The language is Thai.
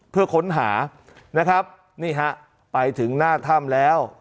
เพื่อค้นหานะครับนี่ฮะไปถึงหน้าถ้ำแล้ว